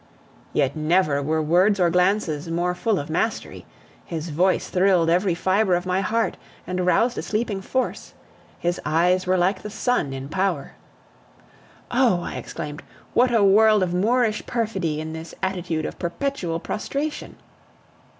Yet never were words or glances more full of mastery; his voice thrilled every fibre of my heart and roused a sleeping force; his eyes were like the sun in power. "Oh!" I exclaimed, "what a world of Moorish perfidy in this attitude of perpetual prostration!"